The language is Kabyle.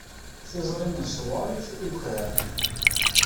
Tiẓri-nnes tewɛeṛ i wefham.